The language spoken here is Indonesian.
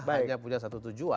hanya punya satu tujuan